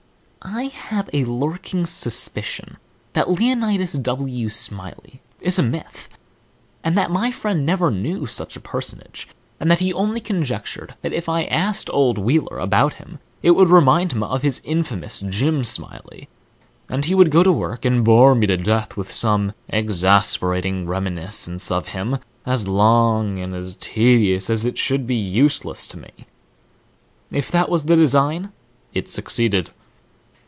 I have a lurking suspicion that Leonidas W. Smiley is a myth; that my friend never knew such a personage; and that he only conjectured that, if I asked old Wheeler about him, it would remind him of his infamous Jim Smiley, and he would go to work and bore me nearly to death with some infernal reminiscence of him as long and tedious as it should be useless to me. If that was the design, it certainly suceeded.